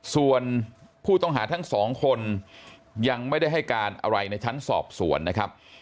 ส่วนผู้ต้องหาทั้งสองคนยังไม่ได้ให้การอะไรในชั้นสอบสวนนะครับ